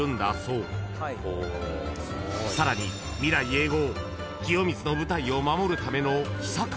［さらに未来永劫］